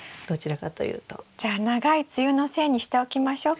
じゃあ長い梅雨のせいにしておきましょうか。